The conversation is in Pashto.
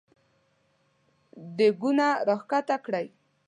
دېګونه راکښته کړی !